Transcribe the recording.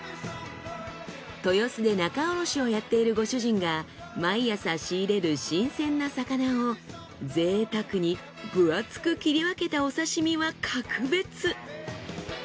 豊洲で仲卸をやっているご主人が毎朝仕入れる新鮮な魚を贅沢に分厚く切り分けたお刺身は格別！